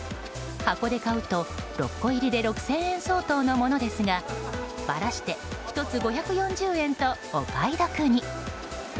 箱で買うと６個入りで６０００円相当のものですがばらして、１つ５４０円とお買い得に。